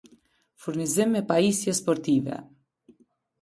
Furnizim me pajisje sportive